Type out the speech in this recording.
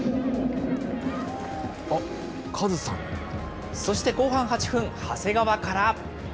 あっ、そして後半８分、長谷川から。